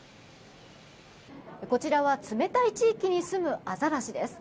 こちらは冷たい地域にすむアザラシです。